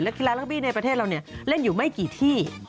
กีฬารักบี้ในประเทศเราเล่นอยู่ไม่กี่ที่